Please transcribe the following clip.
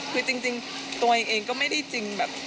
คือจริงตัวเองเองก็ไม่ได้จริงแบบ